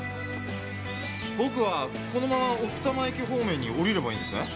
僕はこのまま奥多摩駅方面に下りればいいんですね？